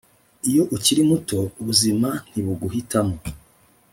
iyo ukiri muto, ubuzima ntibuguhitamo